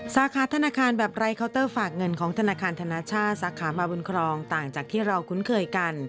สาขาธนาคารแบบไร้เคาน์เตอร์ฝากเงินของธนาคารธนาชาติสาขามาบุญครองต่างจากที่เราคุ้นเคยกัน